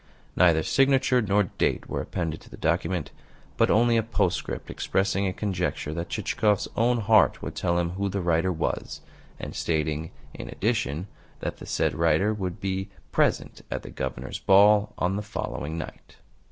Neither signature nor date were appended to the document, but only a postscript expressing a conjecture that Chichikov's own heart would tell him who the writer was, and stating, in addition, that the said writer would be present at the Governor's ball on the following night.